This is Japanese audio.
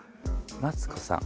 マツコさん